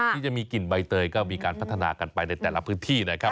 ที่จะมีกลิ่นใบเตยก็มีการพัฒนากันไปในแต่ละพื้นที่นะครับ